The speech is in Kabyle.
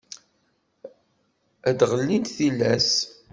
ad d-ɣellint tillas.